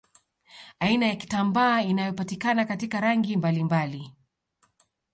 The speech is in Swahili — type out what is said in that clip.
Aina ya kitambaa inayopatikana katika rangi mbalimbali